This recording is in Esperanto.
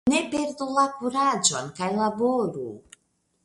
Ne perdu la kuraĝon kaj laboru!